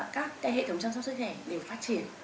các hệ thống chăm sóc sức khỏe đều phát triển